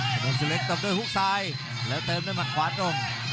ถนนสุเล็กตบด้วยฮุกซ้ายแล้วเติมด้วยมัดขวาตรง